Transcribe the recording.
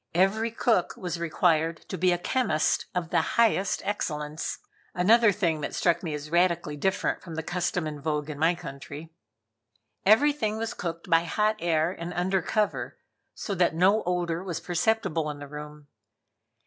Every cook was required to be a chemist of the highest excellence; another thing that struck me as radically different from the custom in vogue in my country. Everything was cooked by hot air and under cover, so that no odor was perceptible in the room.